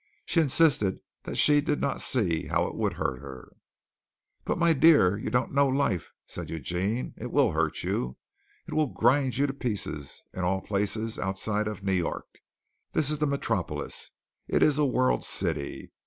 She insisted that she did not see how it would hurt her. "But, my dear, you don't know life," said Eugene. "It will hurt you. It will grind you to pieces in all places outside of New York. This is the Metropolis. It is a world city.